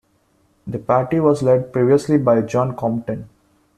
The party was led previously by John Compton.